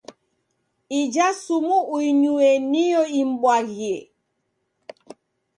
Ija sumu uinyue niyo imbwaghie.